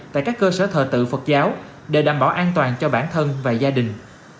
tại các cơ sở thờ tự phật giáo để đảm bảo an toàn cho bản thân và gia đình